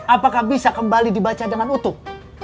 apakah bisa kembali dibaca dengan utuh